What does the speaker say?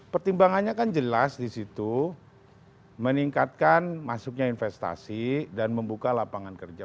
pertimbangannya kan jelas di situ meningkatkan masuknya investasi dan membuka lapangan kerja